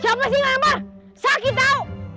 siapa sih yang lempar sakit tau